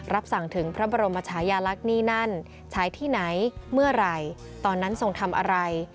สั่งถึงพระบรมชายาลักษณ์นี่นั่นใช้ที่ไหนเมื่อไหร่ตอนนั้นทรงทำอะไร